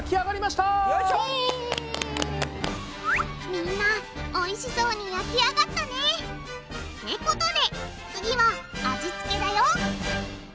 みんなおいしそうに焼き上がったね！ってことで次は味付けだよ！